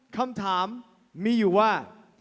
คำถามมีอยู่ว่า